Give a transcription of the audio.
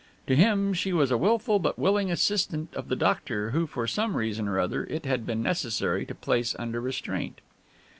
To him she was a wilful but willing assistant of the doctor, who for some reason or other it had been necessary to place under restraint.